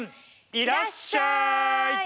「いらっしゃい！」。